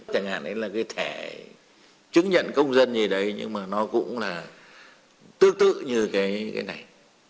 chẳng hạn đấy là cái thẻ chứng nhận công dân gì đấy nhưng mà nó cũng là tương tự như cái này